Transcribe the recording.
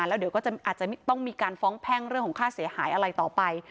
แล้วเดี๋ยวก็อาจจะต้องมีการฟ้องแพ่งเรื่องของค่าเสียหายอะไรต่อไป